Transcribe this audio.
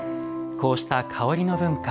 こうした香りの文化